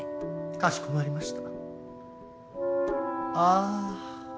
かしこまりました。